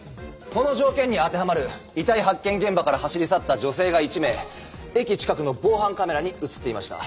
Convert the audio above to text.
この条件に当てはまる遺体発見現場から走り去った女性が１名駅近くの防犯カメラに映っていました。